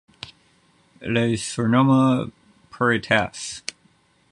Il est surnommé Porritas.